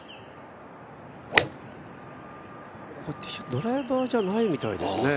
ドライバーじゃないみたいですね。